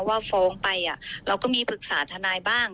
ว่าฟ้องไปเราก็มีปรึกษาทนายบ้าง